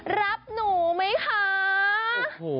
รับหนูมั้ยค่ะ